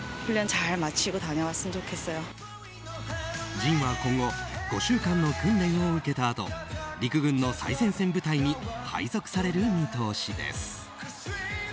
ＪＩＮは今後５週間の訓練を受けたあと陸軍の最前線部隊に配属される見通しです。